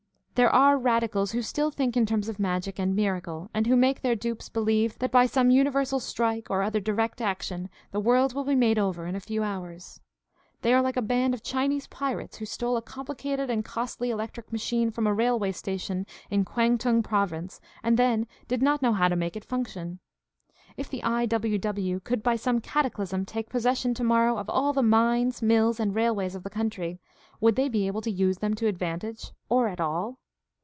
— There are radicals who still think in terms of magic and miracle, and who make their dupes believe that by some universal strike or other "direct action" the world will be made over in a few hours. They are like a band of Chinese pirates who stole a complicated and costly electric machine from a railway station in Kwang tung Province and then did not know how to make it function. If the I.W.W. could by some cataclysm take possession tomorrow of all the mines, mills, and railways of the country, would they be able to use them to advantage, or at all